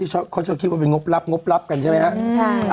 เขาต้องคิดว่าเป็นงบลับกันใช่ไหมนะ